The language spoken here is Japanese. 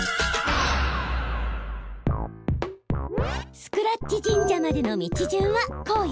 スクラッチ神社までの道順はこうよ！